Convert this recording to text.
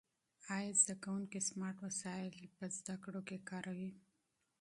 آیا زده کوونکي سمارټ وسایل په تعلیم کې کاروي؟